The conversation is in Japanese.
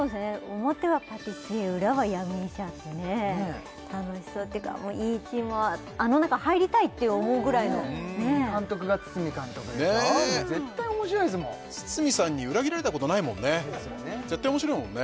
表はパティシエ裏は闇医者ってね楽しそうというかいいチームワークあの中入りたいって思うぐらいのねえ監督が堤監督でしょ絶対面白いですもん堤さんに裏切られたことないもんね絶対面白いもんね